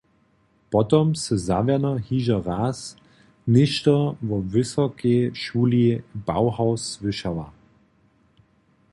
Potom sy zawěrno hižo raz něšto wo wysokej šuli Bauhaus słyšała.